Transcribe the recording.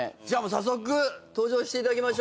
早速登場していただきましょうか。